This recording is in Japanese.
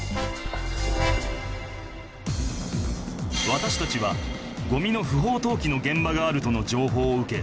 私たちはゴミの不法投棄の現場があるとの情報を受け